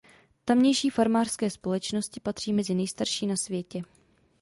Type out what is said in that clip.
Tamější farmářské společnosti patří mezi nejstarší na světě.